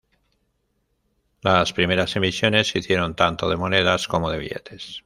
Las primeras emisiones se hicieron tanto de monedas como de billetes.